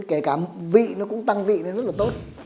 kể cả vị nó cũng tăng vị thế rất là tốt